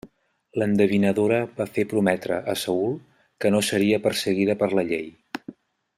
L'endevinadora va fer prometre a Saül que no seria perseguida per la llei.